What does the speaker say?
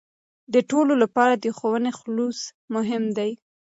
د ټولو لپاره د ښوونې خلوص مهم دی.